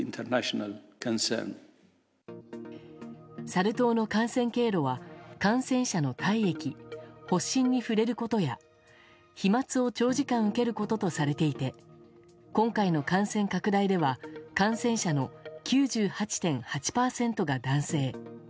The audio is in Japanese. サル痘の感染経路は感染者の体液発疹に触れることや飛沫を長時間受けることとされていて今回の感染拡大では感染者の９８．８％が男性。